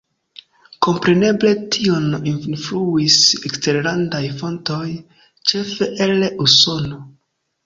Kompreneble tion influis eksterlandaj fontoj, ĉefe el Usono.